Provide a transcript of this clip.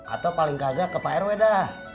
atau paling kagak ke pak erweda